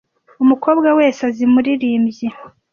Umukobwa wese azi muririmbyi.